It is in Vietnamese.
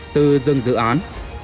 từ rừng dự án